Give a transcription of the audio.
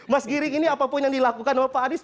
mas giring ini apapun yang dilakukan oleh pak anies